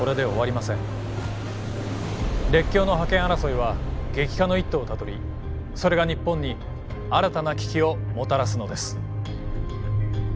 列強の覇権争いは激化の一途をたどりそれが日本に新たな危機をもたらすのです。